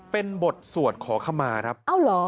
เป็นบทสวดขอเข้ามา